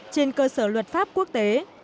trên cơ sở luật pháp quốc tế